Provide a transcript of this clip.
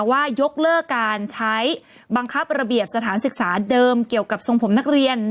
ว่ายกเลิกการใช้บังคับระเบียบสถานศึกษาเดิมเกี่ยวกับทรงผมนักเรียน